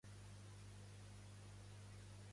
Què deia el cartell que han portat davant de la policia?